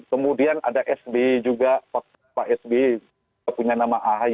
kemudian ada sb juga pak sb punya nama ahy